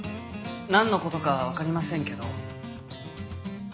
何のことか分かりませんけど。